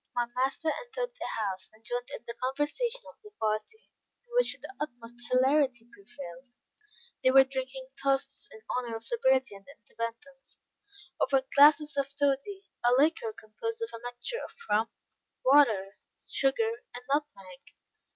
My master entered the house, and joined in the conversation of the party, in which the utmost hilarity prevailed. They were drinking toasts in honor of liberty and independence, over glasses of toddy a liquor composed of a mixture of rum, water, sugar, and nutmeg.